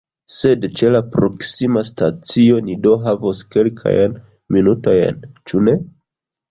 Sed ĉe la proksima stacio ni do havos kelkajn minutojn, ĉu ne?